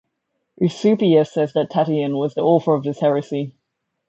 Eusebius says that Tatian was the author of this heresy.